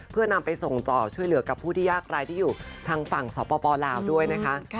เพื่อนำไปส่งต่อช่วยเหลือกับผู้ที่ยากรายที่อยู่ทางฝั่งสปลาวด้วยนะคะ